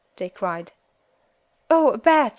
they cried. "Oh, a bat!